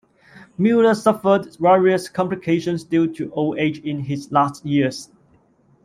Miller suffered various complications due to old age in his last years.